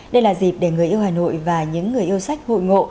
đây là dịp để người yêu hà nội và những người yêu sách hội ngộ